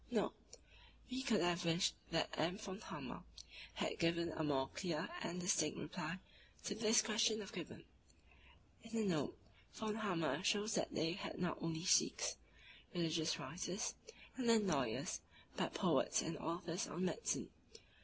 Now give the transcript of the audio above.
Note: * We could have wished that M. von Hammer had given a more clear and distinct reply to this question of Gibbon. In a note, vol. i. p. 630. M. von Hammer shows that they had not only sheiks (religious writers) and learned lawyers, but poets and authors on medicine.